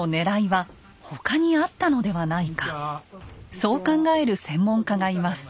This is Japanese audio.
そう考える専門家がいます。